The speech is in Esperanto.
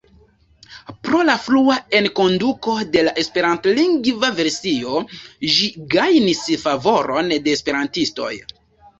Pro la frua enkonduko de la esperantlingva versio ĝi gajnis favoron de esperantistoj.